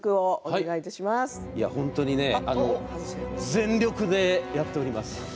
全力でやっております。